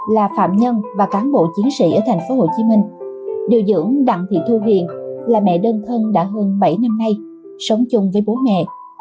là phạm nhân và cán bộ chiến sĩ ở tp hcm điều dưỡng đặng thị thu hiền là mẹ đơn thân đã hơn bảy năm nay sống chung với bố mẹ